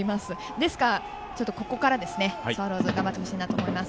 ですが、ここからですね、スワローズ頑張ってほしいなと思います。